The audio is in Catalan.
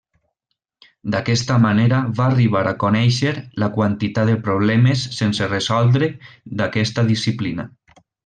D'aquesta manera va arribar a conèixer la quantitat de problemes sense resoldre d'aquesta disciplina.